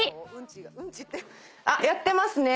やってますね。